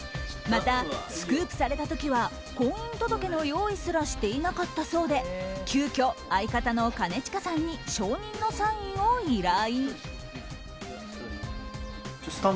また、スクープされた時は婚姻届の用意すらしていなかったそうで急きょ、相方の兼近さんに証人のサインを依頼。